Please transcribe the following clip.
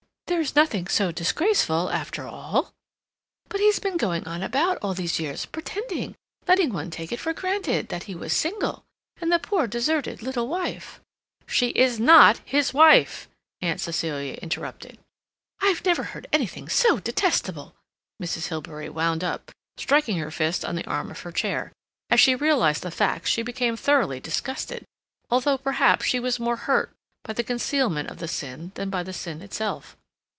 There's nothing so disgraceful after all—But he's been going about all these years, pretending, letting one take it for granted, that he was single. And the poor deserted little wife—" "She is not his wife," Aunt Celia interrupted. "I've never heard anything so detestable!" Mrs. Hilbery wound up, striking her fist on the arm of her chair. As she realized the facts she became thoroughly disgusted, although, perhaps, she was more hurt by the concealment of the sin than by the sin itself.